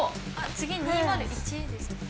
次２０１ですね。